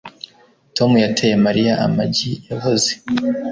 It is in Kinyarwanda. Tom yateye Mariya amagi yaboze